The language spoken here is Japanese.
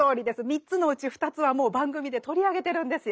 ３つのうち２つはもう番組で取り上げてるんですよ。